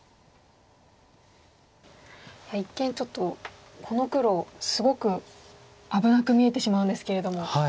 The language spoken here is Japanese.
一見ちょっとこの黒すごく危なく見えてしまうんですけれども。